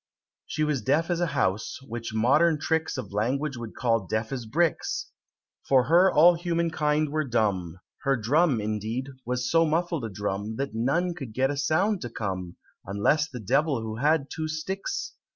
She was deaf as a house which modern tricks Of language would call as deaf as bricks For her all human kind were dumb, Her drum, indeed, was so muffled a drum, That none could get a sound to come, Unless the Devil who had Two Sticks!